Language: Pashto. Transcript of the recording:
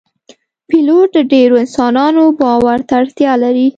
پیلوټ د ډیرو انسانانو باور ته اړتیا لري.